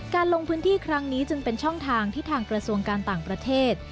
ลงพื้นที่ครั้งนี้จึงเป็นช่องทางที่ทางกระทรวงการต่างประเทศ